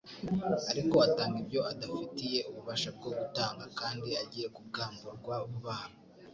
Ariko atanga ibyo adafitiye ububasha bwo gutanga, kandi agiye kubwamburwa vuba aha